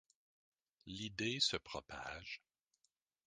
L’idée se propage.